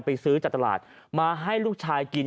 ซื้อจากตลาดมาให้ลูกชายกิน